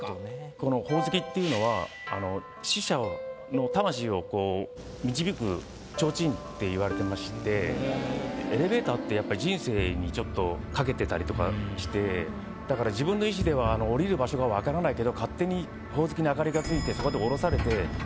この鬼灯っていうのはっていわれてましてエレベーターってやっぱり人生にちょっと掛けてたりとかしてだから自分の意思では降りる場所が分からないけど勝手に鬼灯の灯りがついてそこで降ろされてま